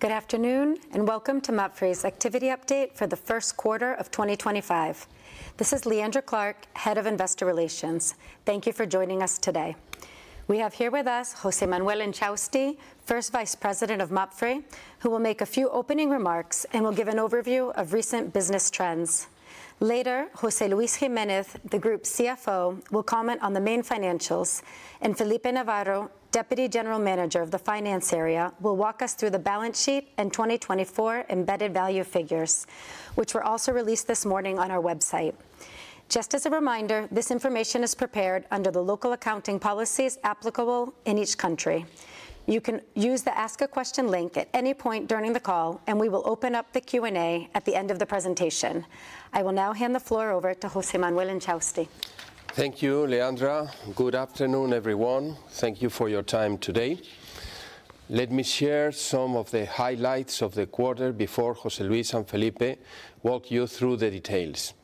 Good afternoon and welcome to MAPFRE's activity update for the first quarter of 2025. This is Leandra Clark, Head of Investor Relations. Thank you for joining us today. We have here with us José Manuel Inchausti, First Vice President of MAPFRE, who will make a few opening remarks and will give an overview of recent business trends. Later, José Luis Jiménez, the Group CFO, will comment on the main financials, and Felipe Navarro, Deputy General Manager of the Finance Area, will walk us through the balance sheet and 2024 embedded value figures, which were also released this morning on our website. Just as a reminder, this information is prepared under the local accounting policies applicable in each country. You can use the Ask a Question link at any point during the call, and we will open up the Q&A at the end of the presentation. I will now hand the floor over to José Manuel Inchausti. Thank you, Leandra. Good afternoon, everyone. Thank you for your time today. Let me share some of the highlights of the quarter before José Luis and Felipe walk you through the details.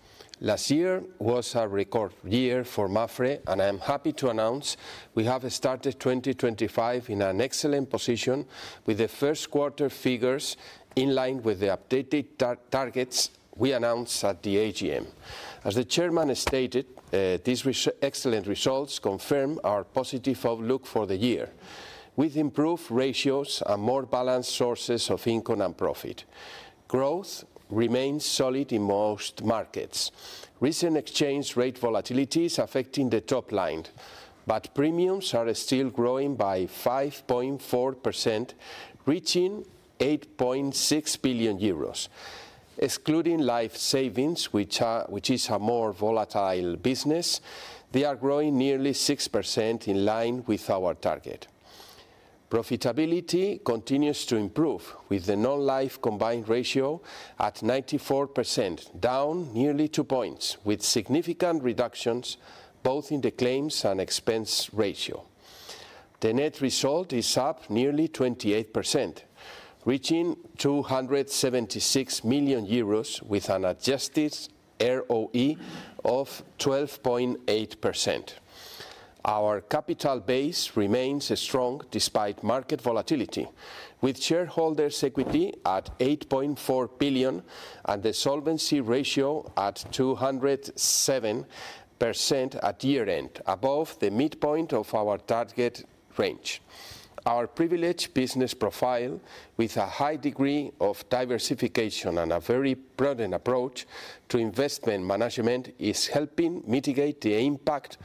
Last year was a record year for MAPFRE, and I am happy to announce we have started 2025 in an excellent position, with the first quarter figures in line with the updated targets we announced at the AGM. As the Chairman stated, these excellent results confirm our positive outlook for the year, with improved ratios and more balanced sources of income and profit. Growth remains solid in most markets. Recent exchange rate volatility is affecting the top line, but premiums are still growing by 5.4%, reaching 8.6 billion euros. Excluding Life Savings, which is a more volatile business, they are growing nearly 6% in line with our target. Profitability continues to improve, with the Non-Life combined ratio at 94%, down nearly two points, with significant reductions both in the claims and expense ratio. The net result is up nearly 28%, reaching 276 million euros, with an Adjusted ROE of 12.8%. Our capital base remains strong despite market volatility, with shareholders' equity at 8.4 billion and the solvency ratio at 207% at year-end, above the midpoint of our target range. Our privileged business profile, with a high degree of diversification and a very prudent approach to investment management, is helping mitigate the impact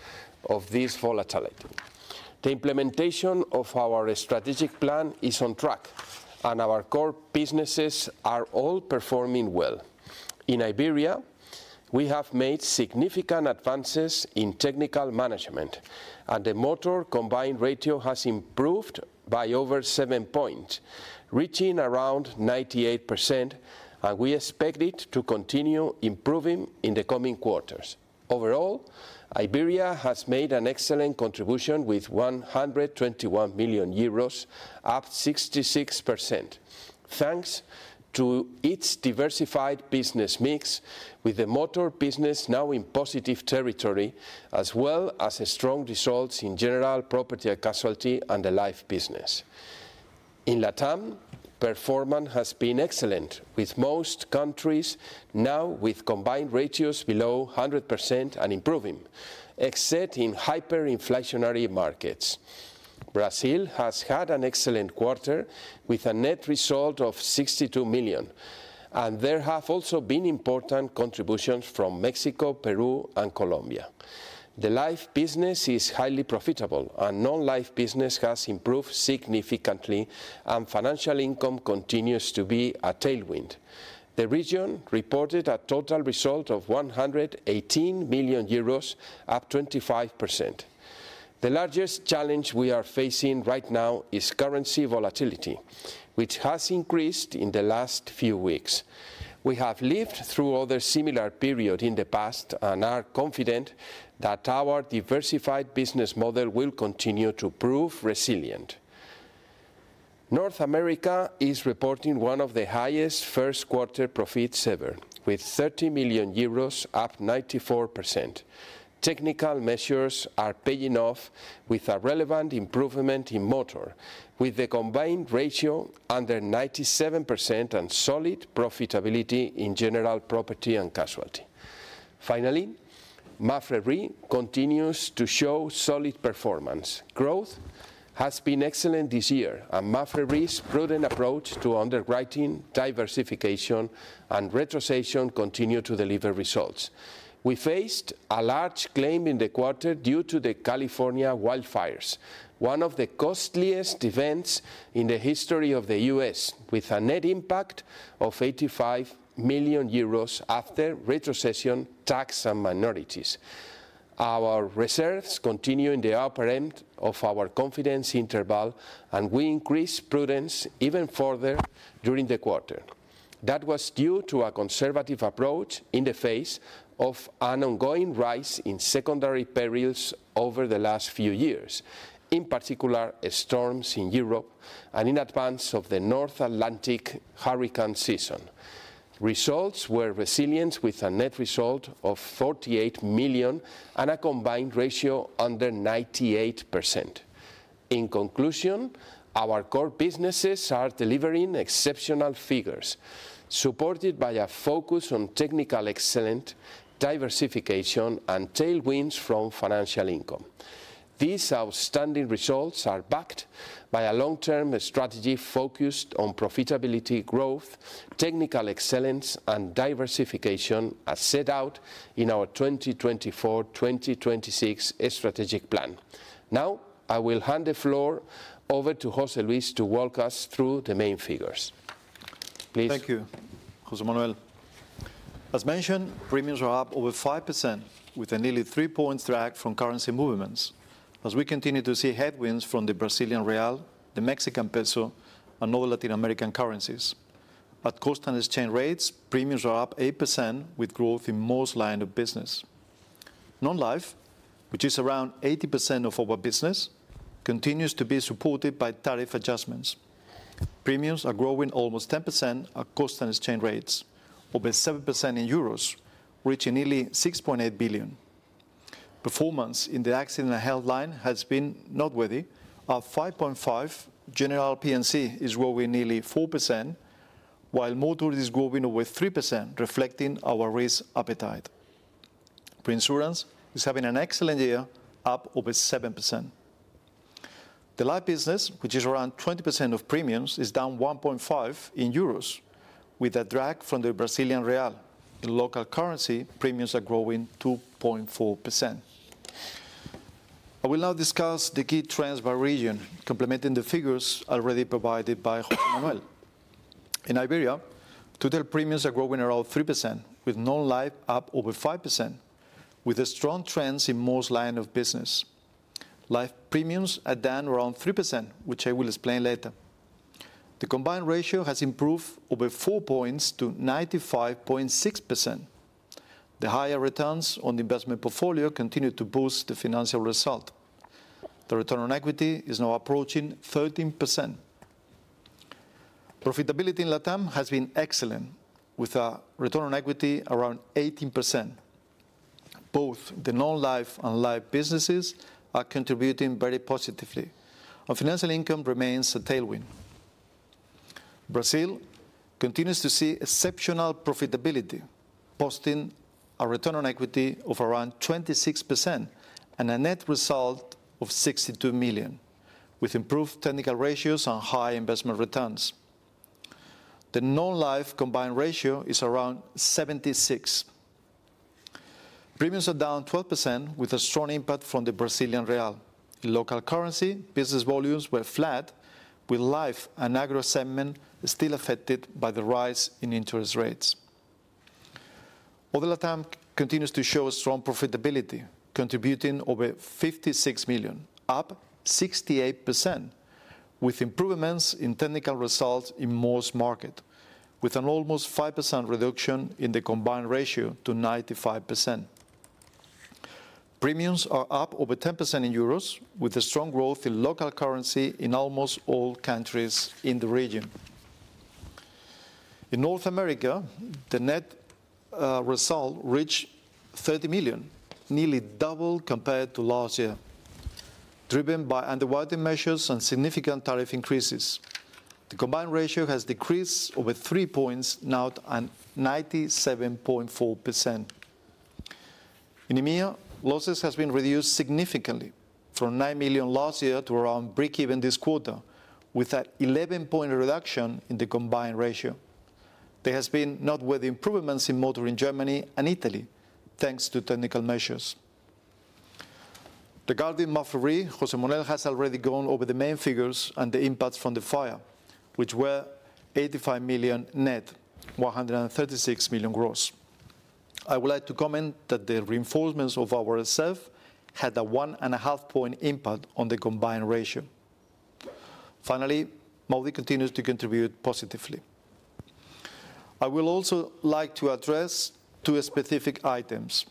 of this volatility. The implementation of our strategic plan is on track, and our core businesses are all performing well. In Iberia, we have made significant advances in technical management, and the Motor combined ratio has improved by over seven points, reaching around 98%, and we expect it to continue improving in the coming quarters. Overall, Iberia has made an excellent contribution with 121 million euros, up 66%, thanks to its diversified business mix, with the Motor business now in positive territory, as well as strong results in General Property and Casualty and the Life business. In LatAm, performance has been excellent, with most countries now with combined ratios below 100% and improving, except in hyperinflationary markets. Brazil has had an excellent quarter, with a net result of 62 million, and there have also been important contributions from Mexico, Peru, and Colombia. The Life business is highly profitable, and Non-Life business has improved significantly, and financial income continues to be a tailwind. The region reported a total result of 118 million euros, up 25%. The largest challenge we are facing right now is currency volatility, which has increased in the last few weeks. We have lived through other similar periods in the past and are confident that our diversified business model will continue to prove resilient. North America is reporting one of the highest first-quarter profits ever, with 30 million euros, up 94%. Technical measures are paying off, with a relevant improvement in Motor, with the combined ratio under 97% and solid profitability in General Property and Casualty. Finally, MAPFRE RE continues to show solid performance. Growth has been excellent this year, and MAPFRE RE's prudent approach to underwriting, diversification, and retrocession continues to deliver results. We faced a large claim in the quarter due to the California wildfires, one of the costliest events in the history of the U.S., with a net impact of 85 million euros after retrocession, tax, and minorities. Our reserves continue in the upper end of our confidence interval, and we increased prudence even further during the quarter. That was due to a conservative approach in the face of an ongoing rise in secondary perils over the last few years, in particular storms in Europe and in advance of the North Atlantic hurricane season. Results were resilient, with a net result of 48 million and a combined ratio under 98%. In conclusion, our core businesses are delivering exceptional figures, supported by a focus on technical excellence, diversification, and tailwinds from financial income. These outstanding results are backed by a long-term strategy focused on profitability growth, technical excellence, and diversification, as set out in our 2024-2026 strategic plan. Now, I will hand the floor over to José Luis to walk us through the main figures. Please. Thank you, José Manuel. As mentioned, premiums are up over 5%, with a nearly three-point drag from currency movements, as we continue to see headwinds from the Brazilian real, the Mexican peso, and other Latin American currencies. At constant exchange rates, premiums are up 8%, with growth in most lines of business. Non-Life, which is around 80% of our business, continues to be supported by tariff adjustments. Premiums are growing almost 10% at constant exchange rates, over 7% in EUR, reaching nearly 6.8 billion. Performance in the accident and health line has been noteworthy. At 5.5%, General P&C is growing nearly 4%, while Motor is growing over 3%, reflecting our risk appetite. Reinsurance is having an excellent year, up over 7%. The Life business, which is around 20% of premiums, is down 1.5% in EUR, with a drag from the Brazilian real. In local currency, premiums are growing 2.4%. I will now discuss the key trends by region, complementing the figures already provided by José Manuel. In Iberia, total premiums are growing around 3%, with Non-Life up over 5%, with strong trends in most lines of business. Life premiums are down around 3%, which I will explain later. The combined ratio has improved over four percentage points to 95.6%. The higher returns on the investment portfolio continue to boost the financial result. The return on equity is now approaching 13%. Profitability in LatAm has been excellent, with a return on equity around 18%. Both the Non-Life and Life businesses are contributing very positively, and financial income remains a tailwind. Brazil continues to see exceptional profitability, posting a return on equity of around 26% and a net result of 62 million, with improved technical ratios and high investment returns. The Non-Life combined ratio is around 76%. Premiums are down 12%, with a strong impact from the Brazilian real. In local currency, business volumes were flat, with Life and Agro segment still affected by the rise in interest rates. Other LatAm continues to show strong profitability, contributing over 56 million, up 68%, with improvements in technical results in most markets, with an almost 5% reduction in the combined ratio to 95%. Premiums are up over 10% in euros, with strong growth in local currency in almost all countries in the region. In North America, the net result reached 30 million, nearly double compared to last year, driven by underwriting measures and significant tariff increases. The combined ratio has decreased over three points now to 97.4%. In EMEA, losses have been reduced significantly, from 9 million last year to around break-even this quarter, with an 11-point reduction in the combined ratio. There have been noteworthy improvements in Motor in Germany and Italy, thanks to technical measures. Regarding MAPFRE RE, José Manuel has already gone over the main figures and the impact from the fire, which were 85 million net, 136 million gross. I would like to comment that the reinforcements of our reserve had a one-and-a-half-point impact on the combined ratio. Finally, MAWDY continues to contribute positively. I would also like to address two specific items.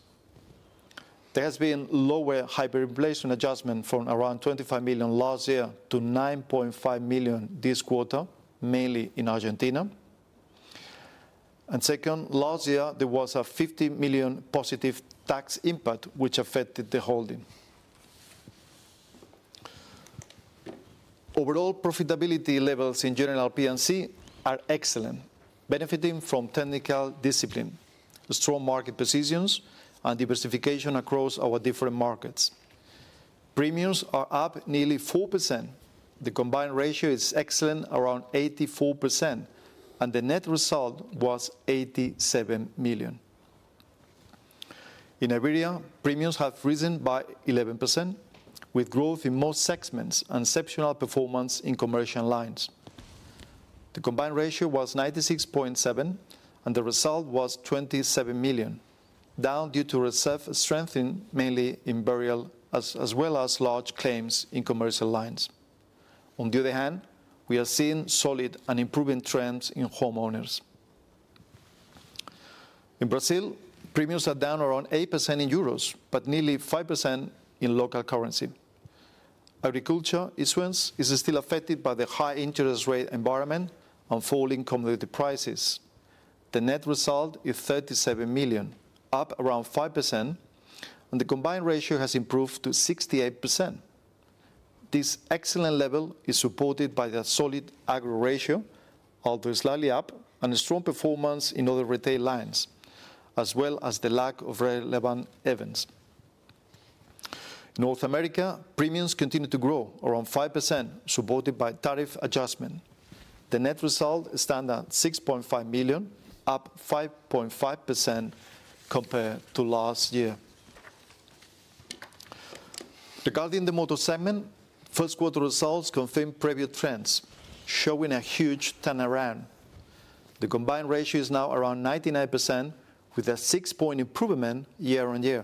There has been lower hyperinflation adjustment from around 25 million last year to 9.5 million this quarter, mainly in Argentina. Last year there was a 50 million positive tax impact, which affected the holding. Overall, profitability levels in General P&C are excellent, benefiting from technical discipline, strong market positions, and diversification across our different markets. Premiums are up nearly 4%. The combined ratio is excellent, around 84%, and the net result was 87 million. In Iberia, premiums have risen by 11%, with growth in most segments and exceptional performance in commercial lines. The combined ratio was 96.7%, and the result was 27 million, down due to reserve strengthening, mainly in Burial, as well as large claims in commercial lines. On the other hand, we are seeing solid and improving trends in homeowners. In Brazil, premiums are down around 8% in euros, but nearly 5% in local currency. Agriculture is still affected by the high interest rate environment and falling commodity prices. The net result is 37 million, up around 5%, and the combined ratio has improved to 68%. This excellent level is supported by the solid Agro ratio, although slightly up, and strong performance in other retail lines, as well as the lack of relevant events. In North America, premiums continue to grow, around 5%, supported by tariff adjustment. The net result stands at 6.5 million, up 5.5% compared to last year. Regarding the Motor segment, first-quarter results confirm previous trends, showing a huge turnaround. The combined ratio is now around 99%, with a six-point improvement year-on-year,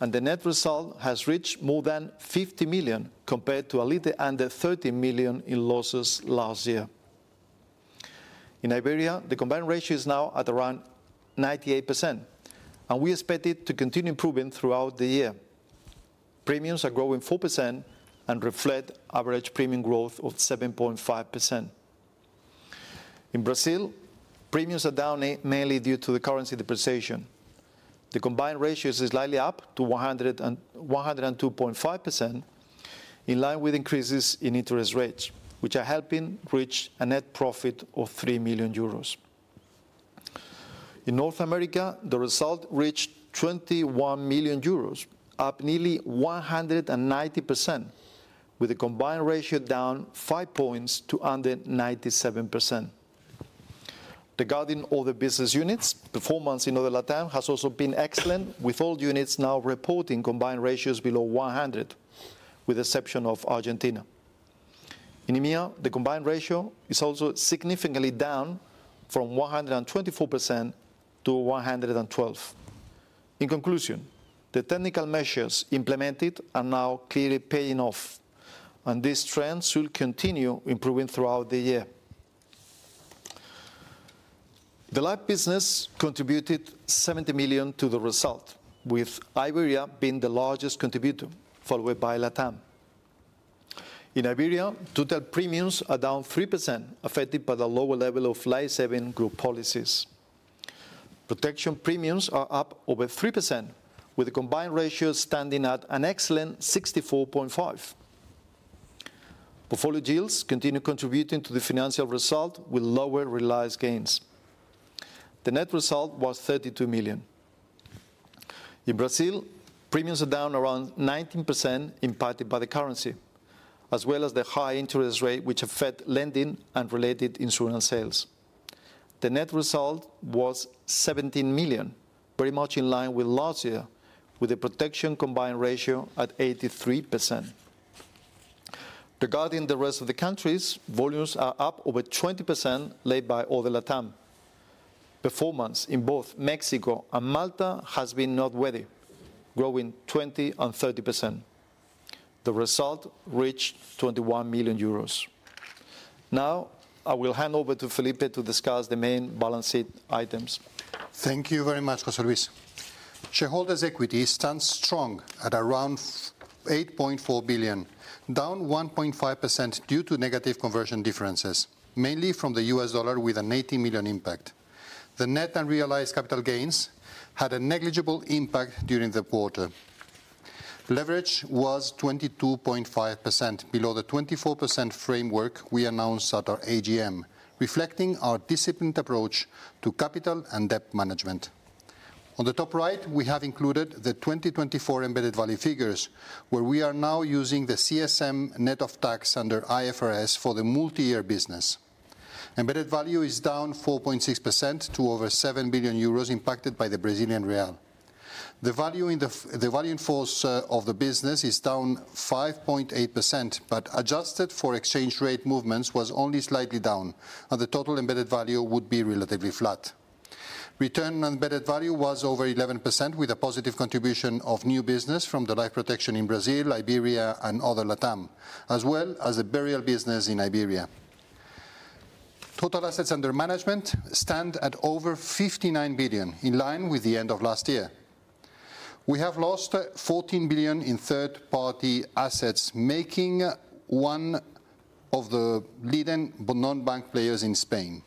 and the net result has reached more than 50 million compared to a little under 30 million in losses last year. In Iberia, the combined ratio is now at around 98%, and we expect it to continue improving throughout the year. Premiums are growing 4% and reflect average premium growth of 7.5%. In Brazil, premiums are down mainly due to the currency depreciation. The combined ratio is slightly up to 102.5%, in line with increases in interest rates, which are helping reach a net profit of 3 million euros. In North America, the result reached 21 million euros, up nearly 190%, with the combined ratio down five points to under 97%. Regarding other business units, performance in other LatAm has also been excellent, with all units now reporting combined ratios below 100%, with the exception of Argentina. In EMEA, the combined ratio is also significantly down from 124% to 112%. In conclusion, the technical measures implemented are now clearly paying off, and this trend should continue improving throughout the year. The Life business contributed 70 million to the result, with Iberia being the largest contributor, followed by LatAm. In Iberia, total premiums are down 3%, affected by the lower level of Life Savings group policies. Protection premiums are up over 3%, with the combined ratio standing at an excellent 64.5%. Portfolio yields continue contributing to the financial result, with lower realized gains. The net result was 32 million. In Brazil, premiums are down around 19%, impacted by the currency, as well as the high interest rate, which affects lending and related insurance sales. The net result was 17 million, very much in line with last year, with the protection combined ratio at 83%. Regarding the rest of the countries, volumes are up over 20%, led by other LatAm. Performance in both Mexico and Malta has been noteworthy, growing 20% and 30%. The result reached 21 million euros. Now, I will hand over to Felipe to discuss the main balance sheet items. Thank you very much, José Luis. Shareholders' equity stands strong at around 8.4 billion, down 1.5% due to negative conversion differences, mainly from the U.S. dollar, with an 18 million impact. The net and realized capital gains had a negligible impact during the quarter. Leverage was 22.5%, below the 24% framework we announced at our AGM, reflecting our disciplined approach to capital and debt management. On the top right, we have included the 2024 embedded value figures, where we are now using the CSM net of tax under IFRS for the multi-year business. Embedded value is down 4.6% to over 7 billion euros, impacted by the Brazilian real. The value in force of the business is down 5.8%, but adjusted for exchange rate movements, was only slightly down, and the total embedded value would be relatively flat. Return on embedded value was over 11%, with a positive contribution of new business from the Life protection in Brazil, Iberia, and other LatAm, as well as the Burial business in Iberia. Total assets under management stand at over 59 billion, in line with the end of last year. We have lost 14 billion in third-party assets, making one of the leading non-bank players in Spain.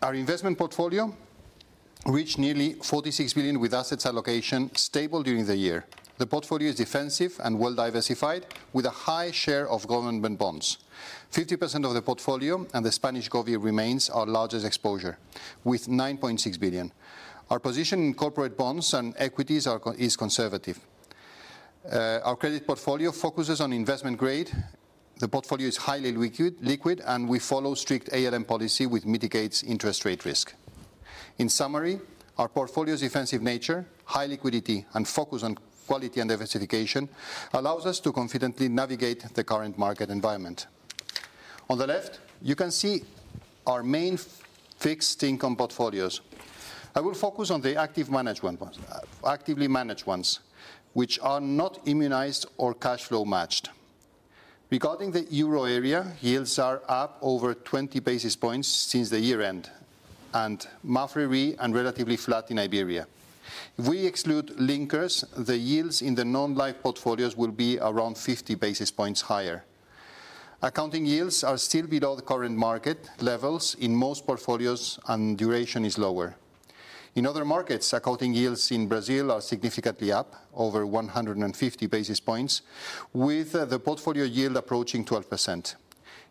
Our investment portfolio reached nearly 46 billion, with assets allocation stable during the year. The portfolio is defensive and well-diversified, with a high share of government bonds. 50% of the portfolio and the Spanish government remain our largest exposure, with 9.6 billion. Our position in corporate bonds and equities is conservative. Our credit portfolio focuses on investment grade. The portfolio is highly liquid, and we follow strict ALM policy, which mitigates interest rate risk. In summary, our portfolio's defensive nature, high liquidity, and focus on quality and diversification allow us to confidently navigate the current market environment. On the left, you can see our main fixed income portfolios. I will focus on the actively managed ones, which are not immunized or cash flow matched. Regarding the euro area, yields are up over 20 basis points since the year-end, and MAPFRE RE and relatively flat in Iberia. If we exclude linkers, the yields in the Non-Life portfolios will be around 50 basis points higher. Accounting yields are still below the current market levels in most portfolios, and duration is lower. In other markets, accounting yields in Brazil are significantly up, over 150 basis points, with the portfolio yield approaching 12%.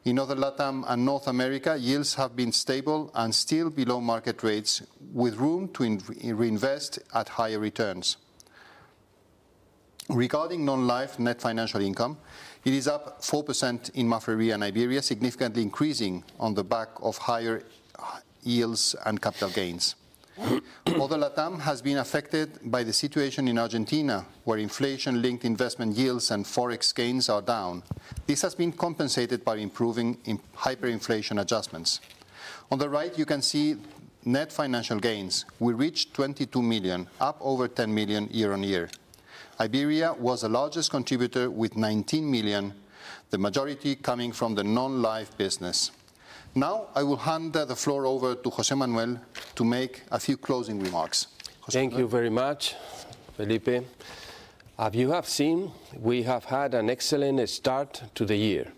In other LatAm and North America, yields have been stable and still below market rates, with room to reinvest at higher returns. Regarding Non-Life net financial income, it is up 4% in MAPFRE RE and Iberia, significantly increasing on the back of higher yields and capital gains. Other LatAm has been affected by the situation in Argentina, where inflation-linked investment yields and forex gains are down. This has been compensated by improving in hyperinflation adjustments. On the right, you can see net financial gains. We reached 22 million, up over 10 million year-on-year. Iberia was the largest contributor, with 19 million, the majority coming from the Non-Life business. Now, I will hand the floor over to José Manuel to make a few closing remarks. Thank you very much, Felipe. As you have seen, we have had an excellent start to the year.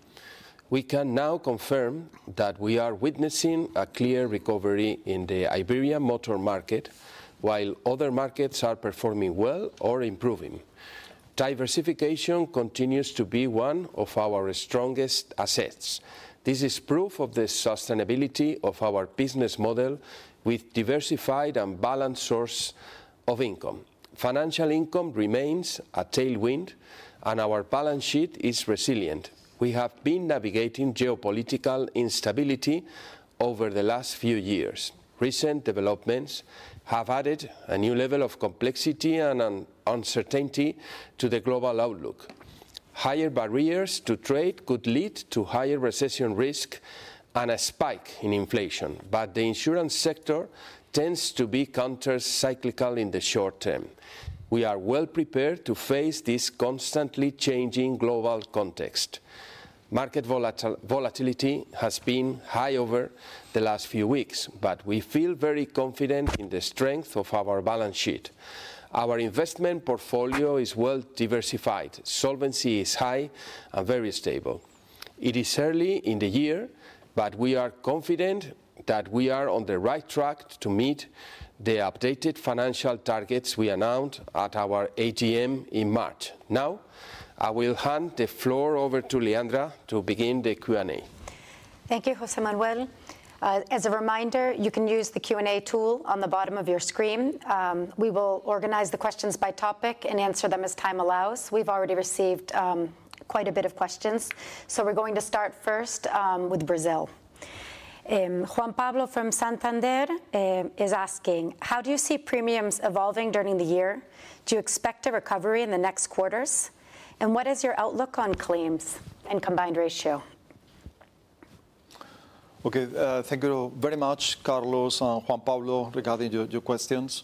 We can now confirm that we are witnessing a clear recovery in the Iberia Motor market, while other markets are performing well or improving. Diversification continues to be one of our strongest assets. This is proof of the sustainability of our business model, with diversified and balanced sources of income. Financial income remains a tailwind, and our balance sheet is resilient. We have been navigating geopolitical instability over the last few years. Recent developments have added a new level of complexity and uncertainty to the global outlook. Higher barriers to trade could lead to higher recession risk and a spike in inflation, but the insurance sector tends to be countercyclical in the short term. We are well prepared to face this constantly changing global context. Market volatility has been high over the last few weeks, but we feel very confident in the strength of our balance sheet. Our investment portfolio is well diversified, solvency is high, and very stable. It is early in the year, but we are confident that we are on the right track to meet the updated financial targets we announced at our AGM in March. Now, I will hand the floor over to Leandra to begin the Q&A. Thank you, José Manuel. As a reminder, you can use the Q&A tool on the bottom of your screen. We will organize the questions by topic and answer them as time allows. We've already received quite a bit of questions, so we're going to start first with Brazil. Juan Pablo from Santander is asking, how do you see premiums evolving during the year? Do you expect a recovery in the next quarters? What is your outlook on claims and combined ratio? Okay, thank you very much, Carlos and Juan Pablo, regarding your questions.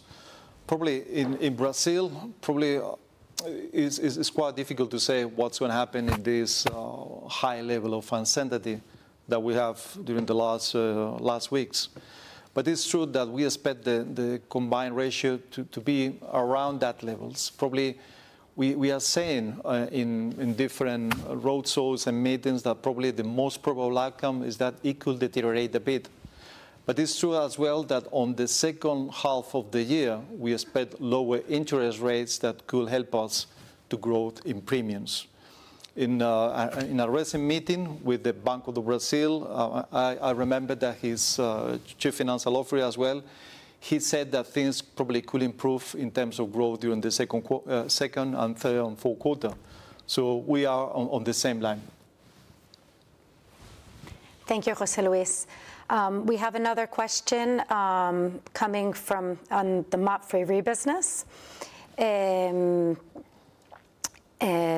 Probably in Brazil, probably it's quite difficult to say what's going to happen in this high level of uncertainty that we have during the last weeks. It is true that we expect the combined ratio to be around that level. Probably we are seeing in different roadshows and meetings that probably the most probable outcome is that it could deteriorate a bit. It is true as well that on the second half of the year, we expect lower interest rates that could help us to grow in premiums. In a recent meeting with the Banco do Brasil, I remember that his chief finance, Alofre as well, he said that things probably could improve in terms of growth during the second and third and fourth quarter. We are on the same line. Thank you, José Luis. We have another question coming from the MAPFRE RE business.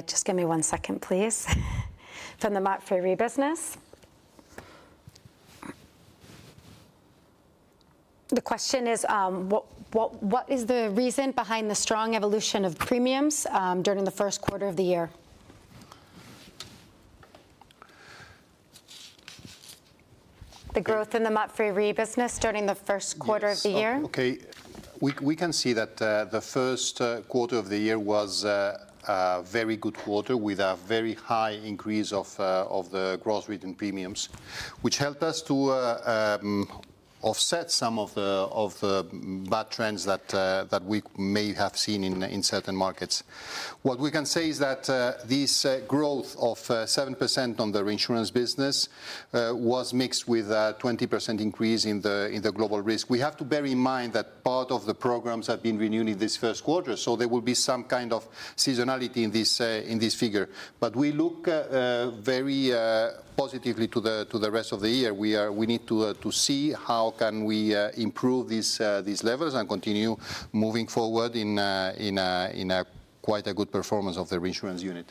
Just give me one second, please. From the MAPFRE RE business. The question is, what is the reason behind the strong evolution of premiums during the first quarter of the year? The growth in the MAPFRE RE business during the first quarter of the year? Okay, we can see that the first quarter of the year was a very good quarter with a very high increase of the gross written premiums, which helped us to offset some of the bad trends that we may have seen in certain markets. What we can say is that this growth of 7% on the reinsurance business was mixed with a 20% increase in the Global Risk. We have to bear in mind that part of the programs have been renewed in this first quarter, so there will be some kind of seasonality in this figure. We look very positively to the rest of the year. We need to see how can we improve these levels and continue moving forward in quite a good performance of the reinsurance unit.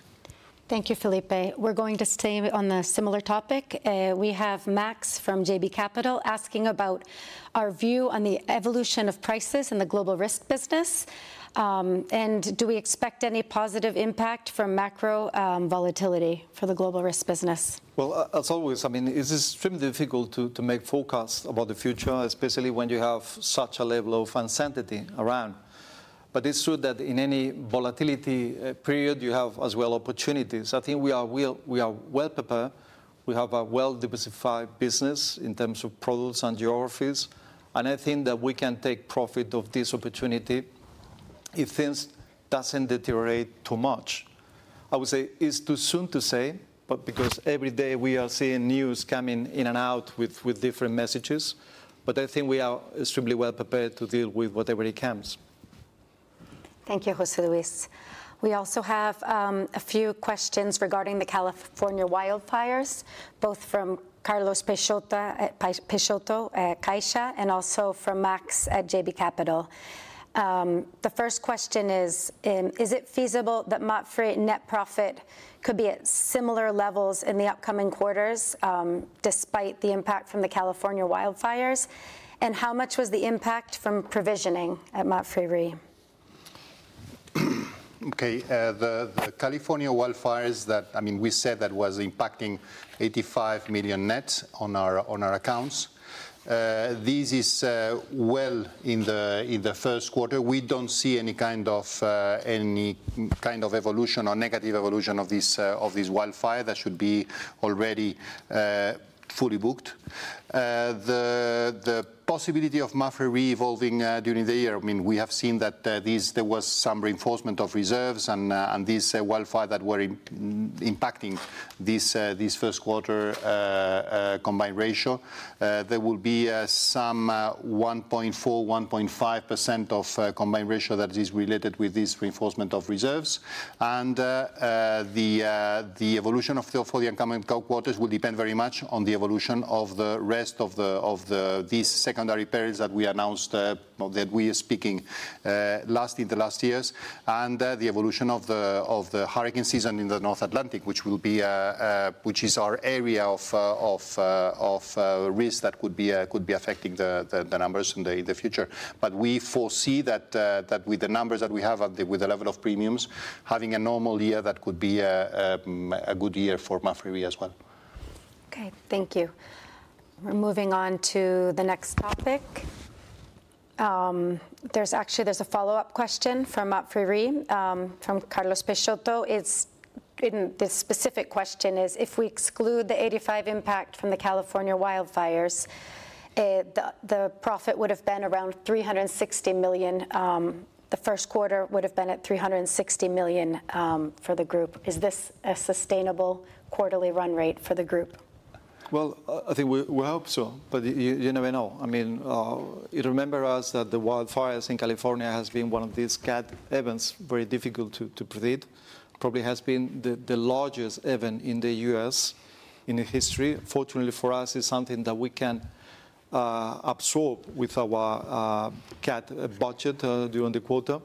Thank you, Felipe. We are going to stay on a similar topic. We have Max from JB Capital asking about our view on the evolution of prices in the Global Risk business. Do we expect any positive impact from macro volatility for the Global Risk business? I mean, it is extremely difficult to make forecasts about the future, especially when you have such a level of uncertainty around. It is true that in any volatility period, you have as well opportunities. I think we are well prepared. We have a well-diversified business in terms of products and geographies, and I think that we can take profit of this opportunity if things do not deteriorate too much. I would say it is too soon to say, because every day we are seeing news coming in and out with different messages. I think we are extremely well prepared to deal with whatever it comes. Thank you, José Luis. We also have a few questions regarding the California wildfires, both from Carlos Peixoto at CaixaBank and also from Max at JB Capital. The first question is, is it feasible that MAPFRE net profit could be at similar levels in the upcoming quarters despite the impact from the California wildfires? How much was the impact from provisioning at MAPFRE RE? Okay, the California wildfires, I mean, we said that was impacting 85 million net on our accounts. This is well in the first quarter. We do not see any kind of evolution or negative evolution of this wildfire that should be already fully booked. The possibility of MAPFRE RE evolving during the year, I mean, we have seen that there was some reinforcement of reserves and these wildfires that were impacting this first quarter combined ratio. There will be some 1.4%-1.5% of combined ratio that is related with this reinforcement of reserves. The evolution of the upcoming quarters will depend very much on the evolution of the rest of these secondary periods that we announced that we are speaking last in the last years and the evolution of the hurricane season in the North Atlantic, which will be, which is our area of risk that could be affecting the numbers in the future. We foresee that with the numbers that we have with the level of premiums, having a normal year that could be a good year for MAPFRE RE as well. Okay, thank you. We're moving on to the next topic. There's actually a follow-up question from MAPFRE RE from Carlos Peixoto. The specific question is, if we exclude the 85 million impact from the California wildfires, the profit would have been around 360 million. The first quarter would have been at 360 million for the group. Is this a sustainable quarterly run rate for the group? I think we hope so, but you never know. I mean, it reminds us that the wildfires in California have been one of these cat events very difficult to predict. Probably has been the largest event in the U.S. in history. Fortunately for us, it's something that we can absorb with our cat budget during the quarter.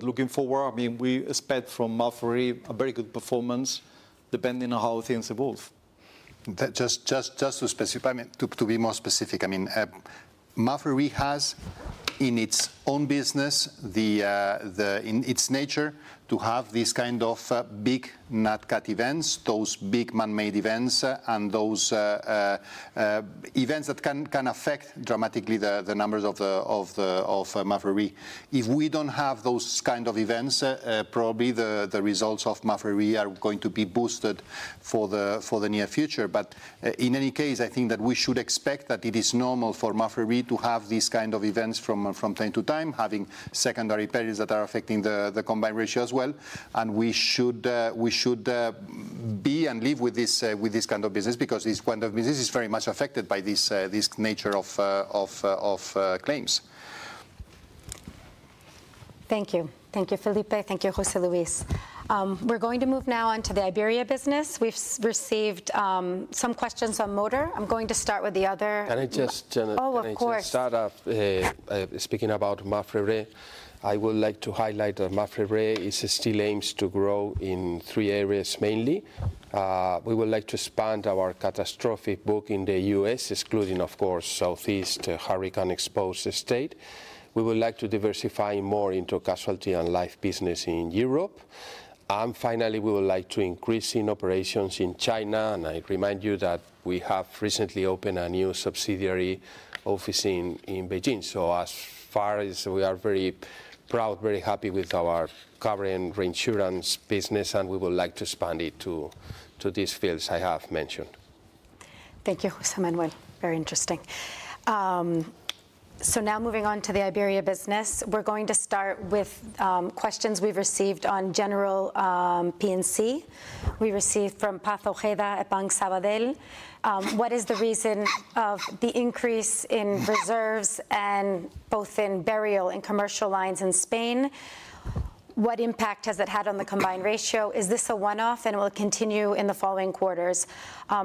Looking forward, I mean, we expect from MAPFRE RE a very good performance depending on how things evolve. Just to be more specific, I mean, MAPFRE RE has in its own business, in its nature, to have these kind of big nat-cat events, those big man-made events and those events that can affect dramatically the numbers of MAPFRE RE. If we don't have those kind of events, probably the results of MAPFRE RE are going to be boosted for the near future. In any case, I think that we should expect that it is normal for MAPFRE RE to have these kind of events from time to time, having secondary periods that are affecting the combined ratio as well. We should be and live with this kind of business because this kind of business is very much affected by this nature of claims. Thank you. Thank you, Felipe. Thank you, José Luis. We're going to move now on to the Iberia business. We've received some questions on Motor. I'm going to start with the other. Can I just start off speaking about MAPFRE RE? I would like to highlight that MAPFRE RE still aims to grow in three areas mainly. We would like to expand our catastrophic book in the U.S., excluding, of course, Southeast hurricane-exposed state. We would like to diversify more into casualty and Life business in Europe. Finally, we would like to increase operations in China. I remind you that we have recently opened a new subsidiary office in Beijing. As far as we are very proud, very happy with our current reinsurance business, we would like to expand it to these fields I have mentioned. Thank you, José Manuel. Very interesting. Now moving on to the Iberia business, we're going to start with questions we've received on General P&C. We received from Paz Ojeda at Banc Sabadell. What is the reason of the increase in reserves and both in Burial and commercial lines in Spain? What impact has that had on the combined ratio? Is this a one-off and will it continue in the following quarters?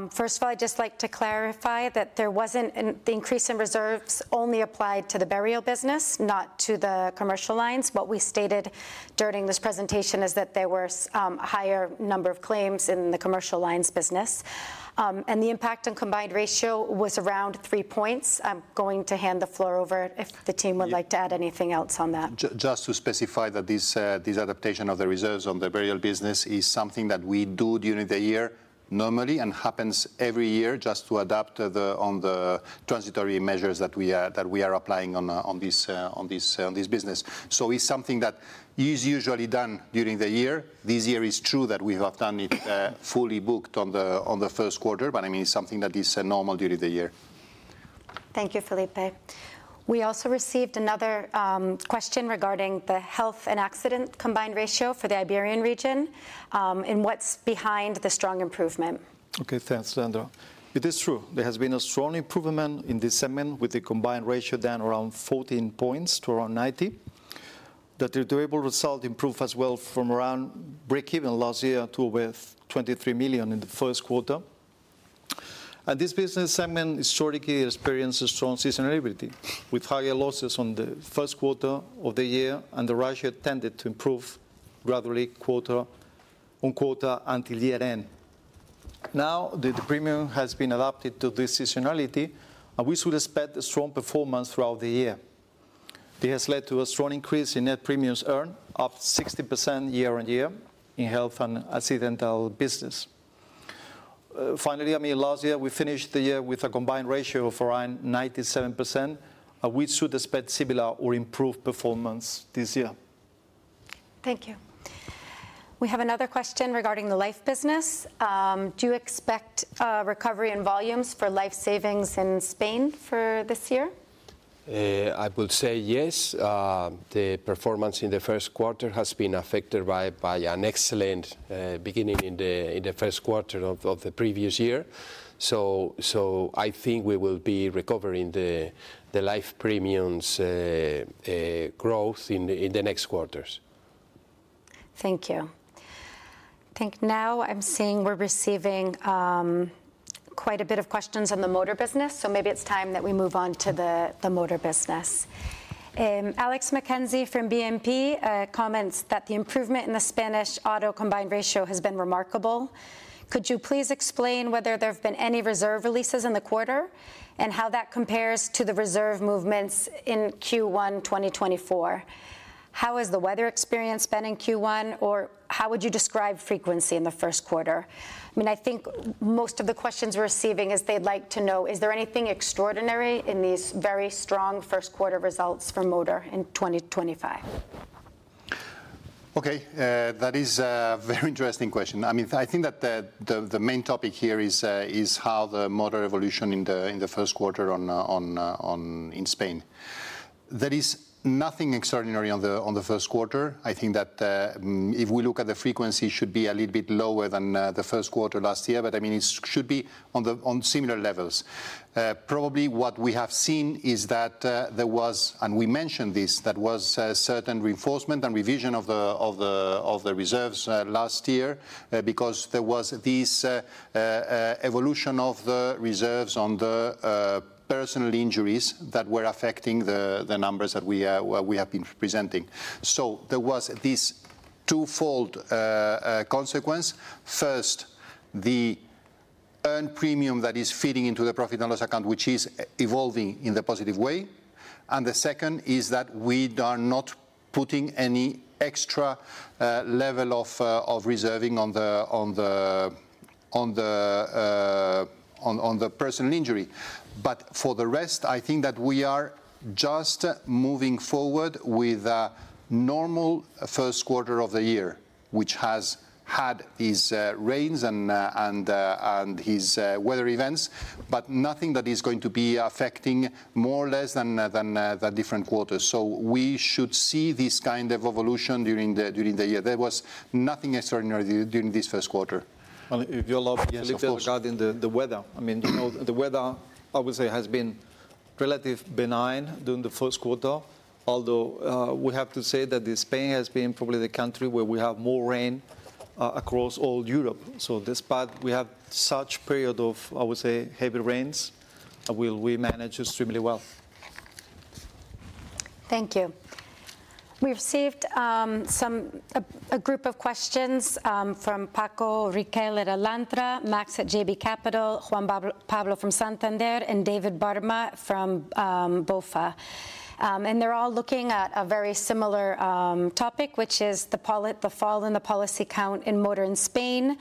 First of all, I'd just like to clarify that the increase in reserves only applied to the Burial business, not to the commercial lines. What we stated during this presentation is that there were a higher number of claims in the commercial lines business. The impact on combined ratio was around three points. I'm going to hand the floor over if the team would like to add anything else on that. Just to specify that this adaptation of the reserves on the Burial business is something that we do during the year normally and happens every year just to adapt on the transitory measures that we are applying on this business. It is something that is usually done during the year. This year it is true that we have done it fully booked on the first quarter, but I mean, it's something that is normal during the year. Thank you, Felipe. We also received another question regarding the Health and Accident combined ratio for the Iberian region and what's behind the strong improvement. Okay, thanks, Leandra. It is true. There has been a strong improvement in this segment with the combined ratio down around 14 percentage points to around 90%. The deliverable result improved as well from around break-even last year to about 23 million in the first quarter. This business segment historically experienced strong seasonality with higher losses on the first quarter of the year, and the ratio tended to improve gradually quarter on quarter until year-end. Now the premium has been adapted to this seasonality, and we should expect strong performance throughout the year. It has led to a strong increase in net premiums earned, up 60% year-on-year in Health and Accident business. Finally, I mean, last year we finished the year with a combined ratio of around 97%, and we should expect similar or improved performance this year. Thank you. We have another question regarding the Life business. Do you expect recovery in volumes for Life savings in Spain for this year? I would say yes. The performance in the first quarter has been affected by an excellent beginning in the first quarter of the previous year. I think we will be recovering the Life premiums growth in the next quarters. Thank you. I think now I'm seeing we're receiving quite a bit of questions on the Motor business, so maybe it's time that we move on to the Motor business. Alex McKenzie from BNP comments that the improvement in the Spanish auto combined ratio has been remarkable. Could you please explain whether there have been any reserve releases in the quarter and how that compares to the reserve movements in Q1 2024? How has the weather experience been in Q1, or how would you describe frequency in the first quarter? I mean, I think most of the questions we're receiving is they'd like to know, is there anything extraordinary in these very strong first quarter results for Motor in 2025? Okay, that is a very interesting question. I mean, I think that the main topic here is how the Motor evolution in the first quarter in Spain. There is nothing extraordinary on the first quarter. I think that if we look at the frequency, it should be a little bit lower than the first quarter last year, but I mean, it should be on similar levels. Probably what we have seen is that there was, and we mentioned this, that was certain reinforcement and revision of the reserves last year because there was this evolution of the reserves on the personal injuries that were affecting the numbers that we have been presenting. There was this twofold consequence. First, the earned premium that is feeding into the profit and loss account, which is evolving in a positive way. The second is that we are not putting any extra level of reserving on the personal injury. For the rest, I think that we are just moving forward with a normal first quarter of the year, which has had these rains and these weather events, but nothing that is going to be affecting more or less than the different quarters. We should see this kind of evolution during the year. There was nothing extraordinary during this first quarter. If you're a little bit forgotten the weather, I mean, the weather, I would say, has been relatively benign during the first quarter, although we have to say that Spain has been probably the country where we have more rain across all Europe. Despite we have such a period of, I would say, heavy rains, we managed extremely well. Thank you. We received a group of questions from Paco Riquel at Alantra, Max at JB Capital, Juan Pablo from Santander, and David Barma from BofA. They're all looking at a very similar topic, which is the fall in the policy count in Motor in Spain.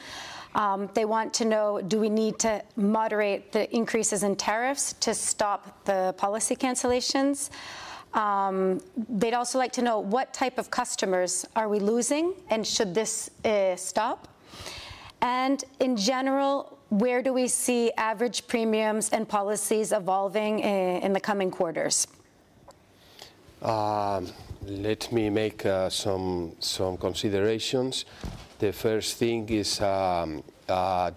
They want to know, do we need to moderate the increases in tariffs to stop the policy cancellations? They'd also like to know what type of customers are we losing and should this stop? In general, where do we see average premiums and policies evolving in the coming quarters? Let me make some considerations. The first thing is that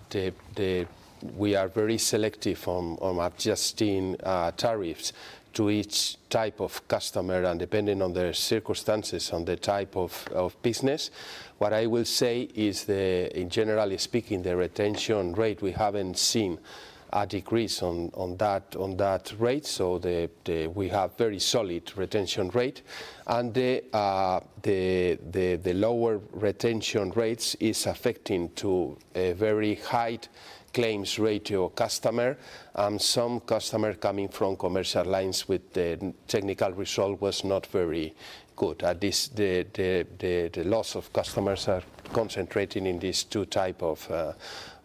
we are very selective on adjusting tariffs to each type of customer and depending on their circumstances and the type of business. What I will say is, generally speaking, the retention rate, we haven't seen a decrease on that rate. We have a very solid retention rate. The lower retention rates are affecting a very high claims ratio customer. Some customers coming from commercial lines with the technical result was not very good. The loss of customers are concentrating in these two types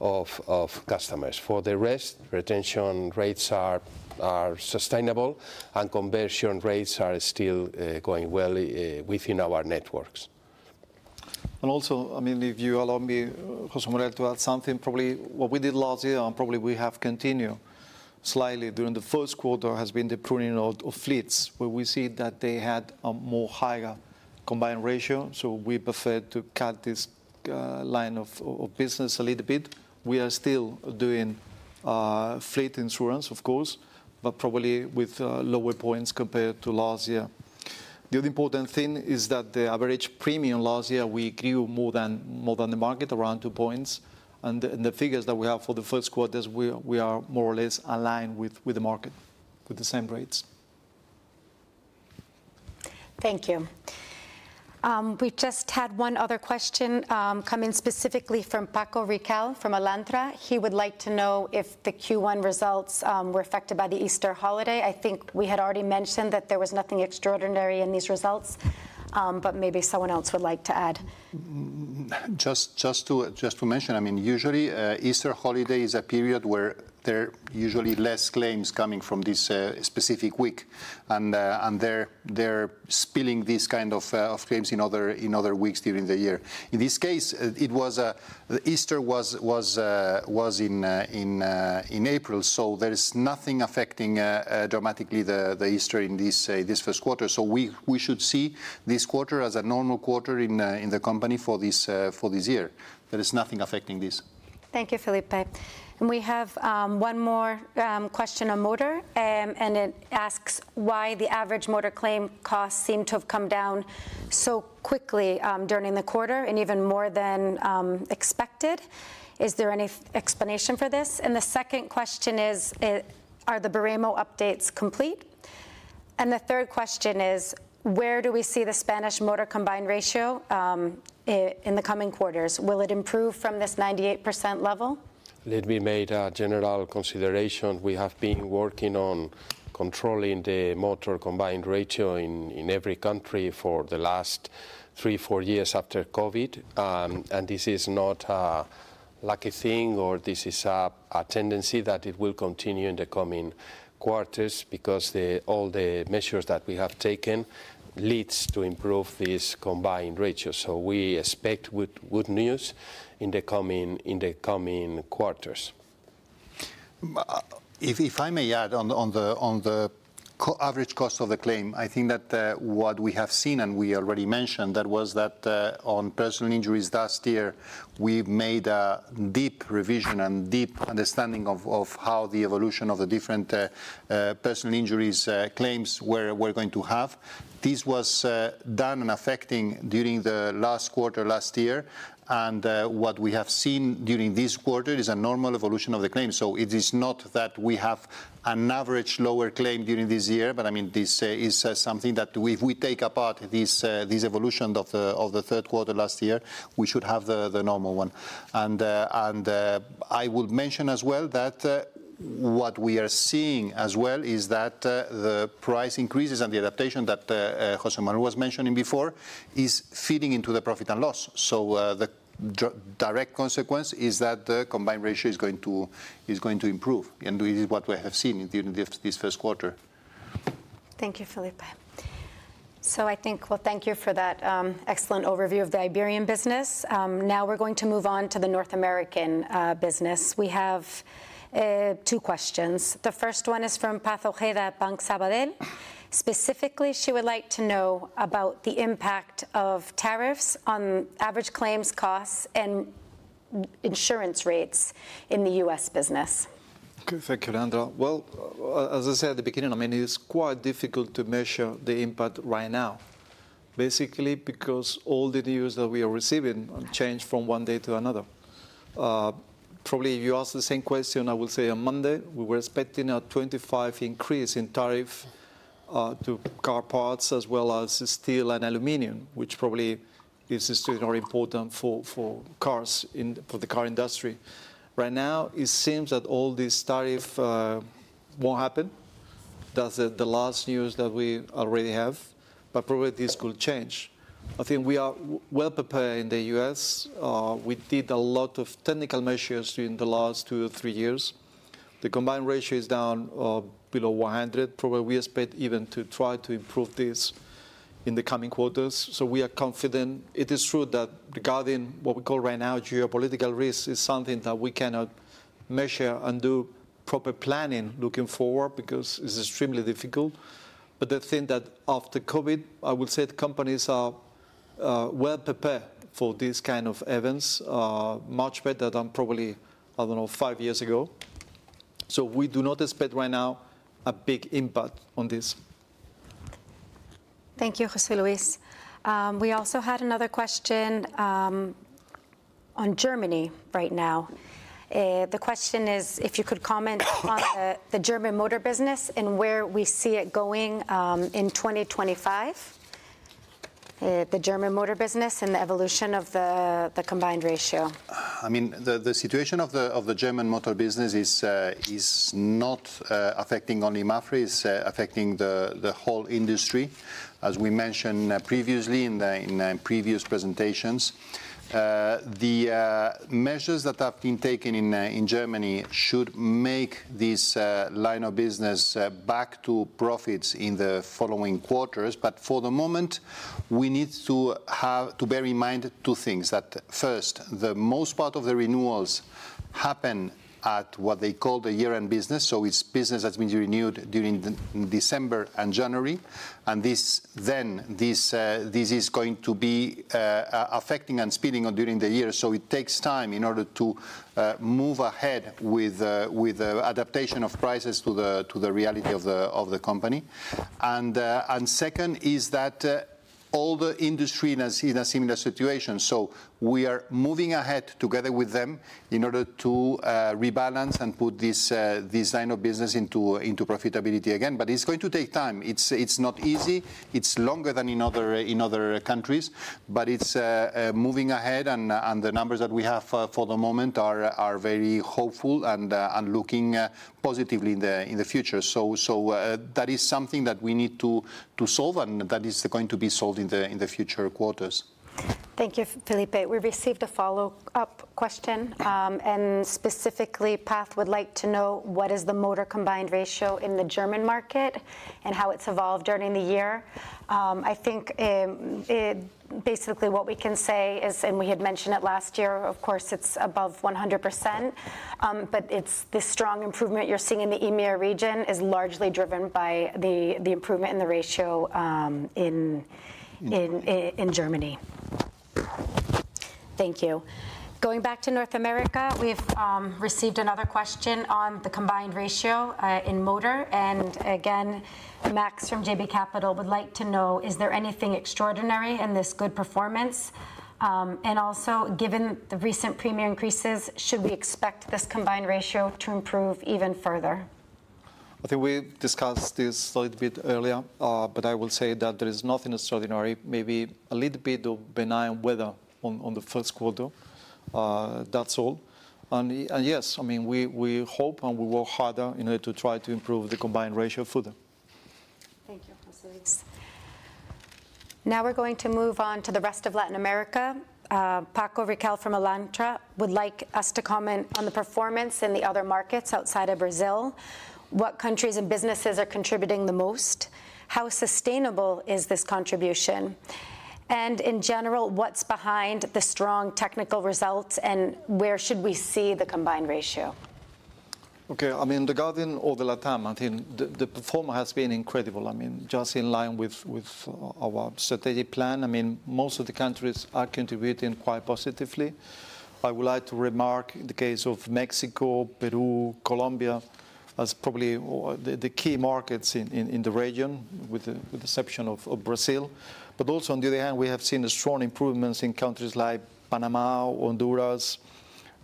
of customers. For the rest, retention rates are sustainable and conversion rates are still going well within our networks. I mean, if you allow me, José Manuel, to add something, probably what we did last year and probably we have continued slightly during the first quarter has been the pruning of fleets where we see that they had a more higher combined ratio. We preferred to cut this line of business a little bit. We are still doing fleet insurance, of course, but probably with lower points compared to last year. The other important thing is that the average premium last year we grew more than the market, around two points. The figures that we have for the first quarters, we are more or less aligned with the market with the same rates. Thank you. We just had one other question come in specifically from Paco Riquel from Alantra. He would like to know if the Q1 results were affected by the Easter holiday. I think we had already mentioned that there was nothing extraordinary in these results, but maybe someone else would like to add. Just to mention, I mean, usually Easter holiday is a period where there are usually fewer claims coming from this specific week, and they're spilling these kinds of claims in other weeks during the year. In this case, Easter was in April, so there's nothing affecting dramatically the Easter in this first quarter. We should see this quarter as a normal quarter in the company for this year. There is nothing affecting this. Thank you, Felipe. We have one more question on Motor, and it asks why the average Motor claim costs seem to have come down so quickly during the quarter and even more than expected. Is there any explanation for this? The second question is, are the Baremo updates complete? The third question is, where do we see the Spanish Motor combined ratio in the coming quarters? Will it improve from this 98% level? Let me make a general consideration. We have been working on controlling the Motor combined ratio in every country for the last three or four years after COVID. This is not a lucky thing, or this is a tendency that will continue in the coming quarters because all the measures that we have taken lead to improve this combined ratio. We expect good news in the coming quarters. If I may add on the average cost of the claim, I think that what we have seen, and we already mentioned, was that on personal injuries last year, we made a deep revision and deep understanding of how the evolution of the different personal injuries claims were going to have. This was done and affecting during the last quarter last year. What we have seen during this quarter is a normal evolution of the claim. It is not that we have an average lower claim during this year, but I mean, this is something that if we take apart this evolution of the third quarter last year, we should have the normal one. I would mention as well that what we are seeing as well is that the price increases and the adaptation that José Manuel was mentioning before is feeding into the profit and loss. The direct consequence is that the combined ratio is going to improve, and this is what we have seen during this first quarter. Thank you, Felipe. Thank you for that excellent overview of the Iberian business. Now we are going to move on to the North American business. We have two questions. The first one is from Paz Ojeda, Banc Sabadell. Specifically, she would like to know about the impact of tariffs on average claims costs and insurance rates in the U.S. business. Thank you, Leandra. As I said at the beginning, I mean, it is quite difficult to measure the impact right now, basically, because all the news that we are receiving changed from one day to another. Probably if you ask the same question, I would say on Monday, we were expecting a 25% increase in tariff to car parts as well as steel and aluminum, which probably is still very important for cars, for the car industry. Right now, it seems that all these tariffs won't happen. That's the last news that we already have, but probably this could change. I think we are well prepared in the U.S. We did a lot of technical measures during the last two or three years. The combined ratio is down below 100. Probably we expect even to try to improve this in the coming quarters. We are confident. It is true that regarding what we call right now geopolitical risk is something that we cannot measure and do proper planning looking forward because it is extremely difficult. The thing is that after COVID, I would say companies are well prepared for this kind of events, much better than probably, I do not know, five years ago. We do not expect right now a big impact on this. Thank you, José Luis. We also had another question on Germany right now. The question is if you could comment on the German Motor business and where we see it going in 2025, the German Motor business and the evolution of the combined ratio. I mean, the situation of the German Motor business is not affecting only MAPFRE's; it is affecting the whole industry. As we mentioned previously in previous presentations, the measures that have been taken in Germany should make this line of business back to profits in the following quarters. For the moment, we need to bear in mind two things. First, the most part of the renewals happen at what they call the year-end business. It is business that has been renewed during December and January. This is going to be affecting and spilling during the year. It takes time in order to move ahead with adaptation of prices to the reality of the company. Second is that all the industry is in a similar situation. We are moving ahead together with them in order to rebalance and put this line of business into profitability again. It is going to take time. It is not easy. It is longer than in other countries, but it is moving ahead. The numbers that we have for the moment are very hopeful and looking positively in the future. That is something that we need to solve, and that is going to be solved in the future quarters. Thank you, Felipe. We received a follow-up question, and specifically, Paz would like to know what is the Motor combined ratio in the German market and how it's evolved during the year. I think basically what we can say is, and we had mentioned it last year, of course, it's above 100%, but the strong improvement you're seeing in the EMEA region is largely driven by the improvement in the ratio in Germany. Thank you. Going back to North America, we've received another question on the combined ratio in Motor. Again, Max from JB Capital would like to know, is there anything extraordinary in this good performance? Also, given the recent premium increases, should we expect this combined ratio to improve even further? I think we discussed this a little bit earlier, but I will say that there is nothing extraordinary, maybe a little bit of benign weather on the first quarter. That's all. Yes, I mean, we hope and we work harder in order to try to improve the combined ratio further. Thank you, José Luis. Now we're going to move on to the rest of Latin America. Paco Riquel from Alantra would like us to comment on the performance in the other markets outside of Brazil. What countries and businesses are contributing the most? How sustainable is this contribution? In general, what's behind the strong technical results and where should we see the combined ratio? Okay, I mean, regarding all the LatAm, I think the performance has been incredible. I mean, just in line with our strategic plan, I mean, most of the countries are contributing quite positively. I would like to remark in the case of Mexico, Peru, Colombia as probably the key markets in the region, with the exception of Brazil. Also, on the other hand, we have seen strong improvements in countries like Panama, Honduras,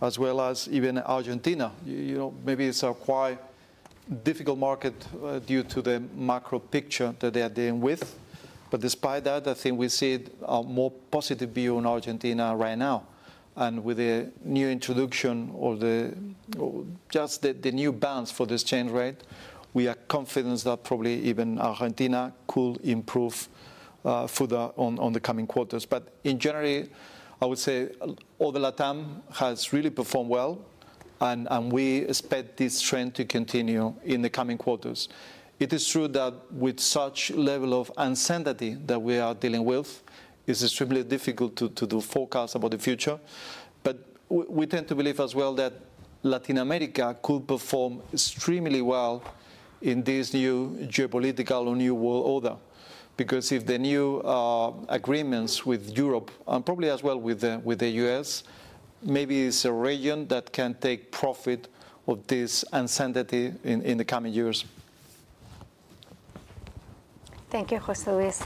as well as even Argentina. Maybe it is a quite difficult market due to the macro picture that they are dealing with. Despite that, I think we see a more positive view on Argentina right now. With the new introduction or just the new balance for this change rate, we are confident that probably even Argentina could improve further in the coming quarters. In general, I would say all the LatAm has really performed well, and we expect this trend to continue in the coming quarters. It is true that with such a level of uncertainty that we are dealing with, it's extremely difficult to do forecasts about the future. We tend to believe as well that Latin America could perform extremely well in this new geopolitical or new world order. Because if the new agreements with Europe and probably as well with the U.S., maybe it's a region that can take profit of this uncertainty in the coming years. Thank you, José Luis.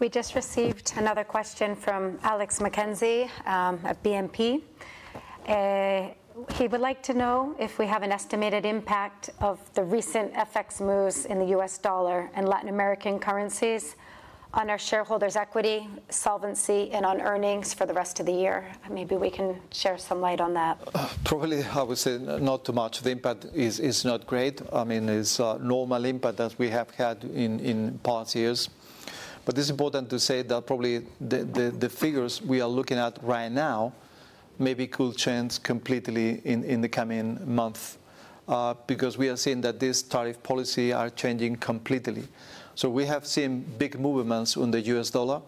We just received another question from Alex McKenzie at BNP. He would like to know if we have an estimated impact of the recent FX moves in the U.S. dollar and Latin American currencies on our shareholders' equity, solvency, and on earnings for the rest of the year. Maybe we can share some light on that. Probably, I would say not too much. The impact is not great. I mean, it's a normal impact that we have had in past years. It is important to say that probably the figures we are looking at right now maybe could change completely in the coming months because we are seeing that these tariff policies are changing completely. We have seen big movements in the U.S. dollar,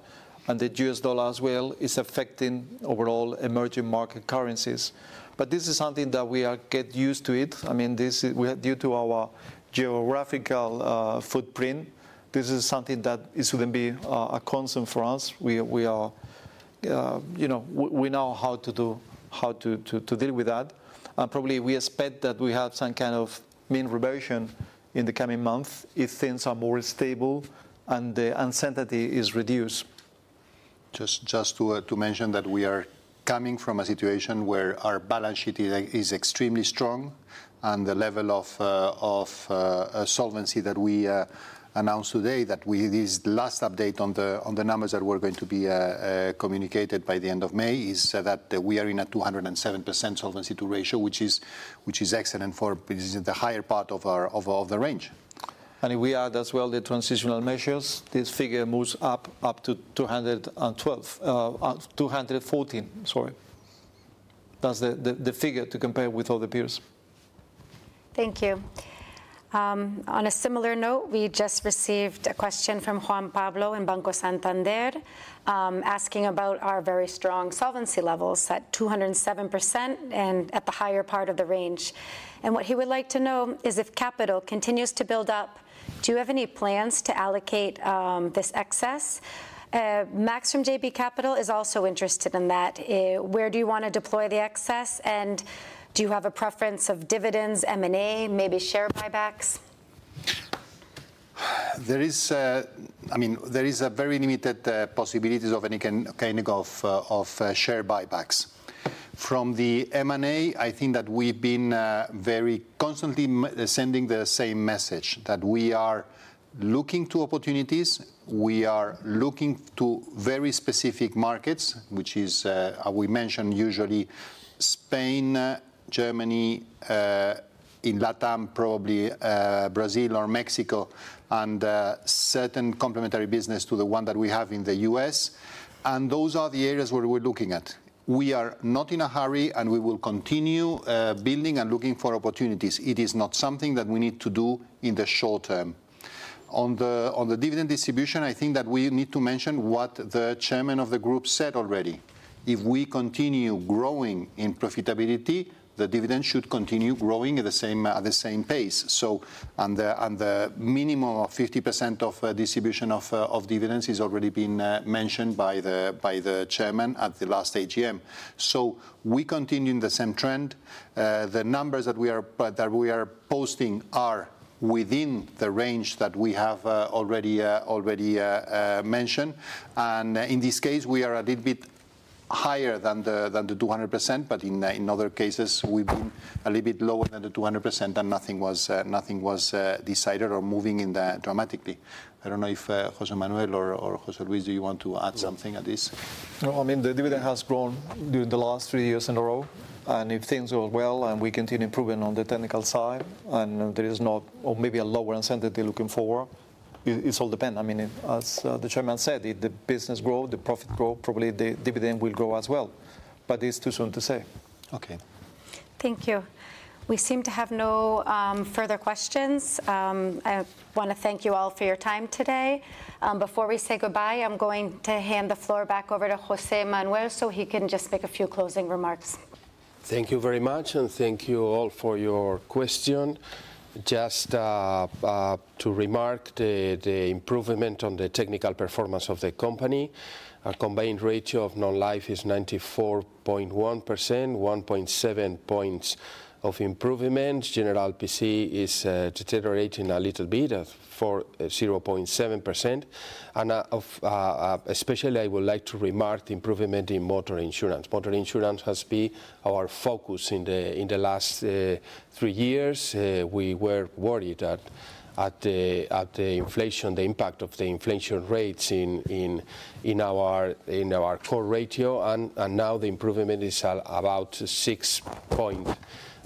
and the U.S. dollar as well is affecting overall emerging market currencies. This is something that we are getting used to. I mean, due to our geographical footprint, this is something that it shouldn't be a concern for us. We know how to deal with that. Probably we expect that we have some kind of mean reversion in the coming months if things are more stable and the uncertainty is reduced. Just to mention that we are coming from a situation where our balance sheet is extremely strong, and the level of solvency that we announced today, that this last update on the numbers that were going to be communicated by the end of May is that we are in a 207% solvency ratio, which is excellent for the higher part of the range. If we add as well the transitional measures, this figure moves up to 214%. Sorry. That is the figure to compare with all the peers. Thank you. On a similar note, we just received a question from Juan Pablo in Santander asking about our very strong solvency levels at 207% and at the higher part of the range. What he would like to know is if capital continues to build up, do you have any plans to allocate this excess? Max from JB Capital is also interested in that. Where do you want to deploy the excess? And do you have a preference of dividends, M&A, maybe share buybacks? I mean, there are very limited possibilities of any kind of share buybacks. From the M&A, I think that we've been very constantly sending the same message that we are looking to opportunities. We are looking to very specific markets, which is, as we mentioned, usually Spain, Germany, in LatAm, probably Brazil or Mexico, and certain complementary business to the one that we have in the U.S. Those are the areas where we're looking at. We are not in a hurry, and we will continue building and looking for opportunities. It is not something that we need to do in the short term. On the dividend distribution, I think that we need to mention what the chairman of the group said already. If we continue growing in profitability, the dividend should continue growing at the same pace. The minimum of 50% of distribution of dividends has already been mentioned by the chairman at the last AGM. We continue in the same trend. The numbers that we are posting are within the range that we have already mentioned. In this case, we are a little bit higher than the 200%, but in other cases, we've been a little bit lower than the 200%, and nothing was decided or moving dramatically. I don't know if José Manuel or José Luis, do you want to add something on this? No, I mean, the dividend has grown during the last three years in a row. If things go well and we continue improving on the technical side and there is not, or maybe a lower uncertainty looking forward, it all depends. I mean, as the chairman said, if the business grows, the profit grows, probably the dividend will grow as well. It is too soon to say. Okay. Thank you. We seem to have no further questions. I want to thank you all for your time today. Before we say goodbye, I'm going to hand the floor back over to José Manuel so he can just make a few closing remarks. Thank you very much, and thank you all for your question. Just to remark the improvement on the technical performance of the company, our combined ratio of Non-Life is 94.1%, 1.7 percentage points of improvement. General P&C is deteriorating a little bit at 0.7%. Especially, I would like to remark the improvement in Motor Insurance. Motor Insurance has been our focus in the last three years. We were worried at the inflation, the impact of the inflation rates in our core ratio. Now the improvement is about six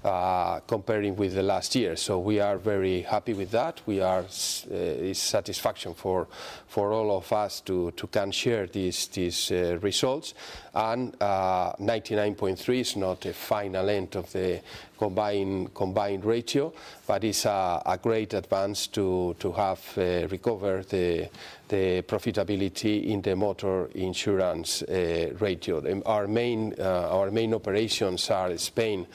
points comparing with the last year. We are very happy with that. It is satisfaction for all of us to share these results. 99.3 is not a final end of the combined ratio, but it is a great advance to have recovered the profitability in the Motor Insurance ratio. Our main operations are Spain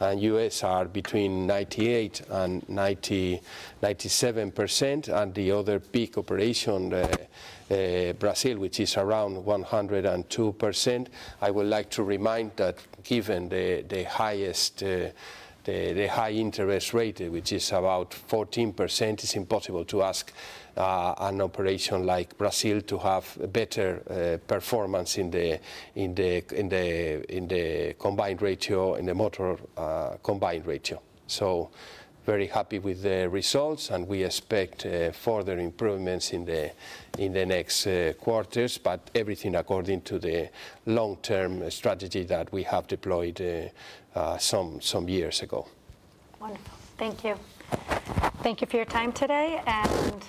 and U.S. are between 98% and 97%. The other big operation, Brazil, is around 102%. I would like to remind that given the high interest rate, which is about 14%, it's impossible to ask an operation like Brazil to have better performance in the combined ratio, in the Motor combined ratio. Very happy with the results, and we expect further improvements in the next quarters, but everything according to the long-term strategy that we have deployed some years ago. Wonderful. Thank you. Thank you for your time today. Goodbye.